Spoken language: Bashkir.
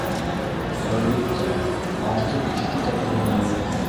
- Әлбиттә, артыҡ иҫ китә торғаны юҡ.